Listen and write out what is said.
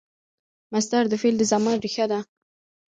مصدر د فعل د زمان ریښه ده.